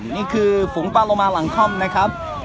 นี่คือฝุงปลาโลมาหลังคล่อมนะครับ